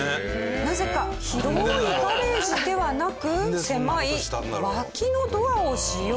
なぜか広いガレージではなく狭い脇のドアを使用。